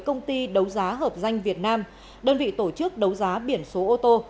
công ty đấu giá hợp danh việt nam đơn vị tổ chức đấu giá biển số ô tô